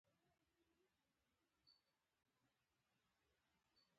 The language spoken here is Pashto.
د ښځېنه نومونو، خواږه لفظونه